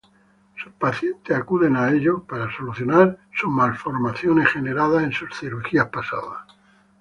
Sus pacientes acuden a ellos para solucionar sus malformaciones generadas en sus cirugías pasadas.